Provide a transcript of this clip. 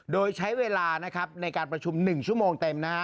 โดยใช้เวลาในการประชุม๑ชั่วโมงเต็ม